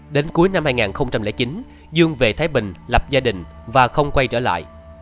đến cuối năm hai nghìn chín dương về thái bình lập gia đình và không quay trở lại